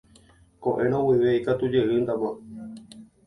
Ko'ẽrõ guive ikatujeýtama.